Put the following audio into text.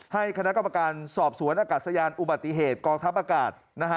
ให้คณะกรรมการสอบสวนอากาศยานอุบัติเหตุกองทัพอากาศ